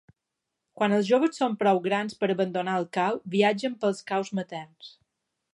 Quan els joves són prou grans per abandonar el cau, viatgen pels caus materns.